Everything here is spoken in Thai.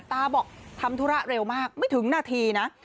บอกทำธุระเร็วมากไม่ถึงนาทีนะ